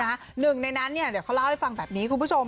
หนึ่งในนั้นเดี๋ยวเขาเล่าให้ฟังแบบนี้คุณผู้ชม